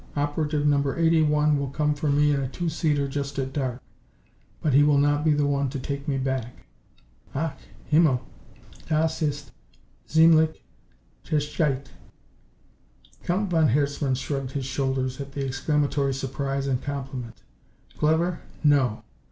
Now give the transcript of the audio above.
Operative Number Eighty one will come for me in a two seater just at dark. But he will not be the one to take me back." "Ach! Himmel!" "Das ist ziemlich gescheit!" Count von Herzmann shrugged his shoulders at the exclamatory surprise and compliment. "Clever? No.